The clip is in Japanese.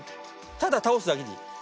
ただ倒すだけでいい。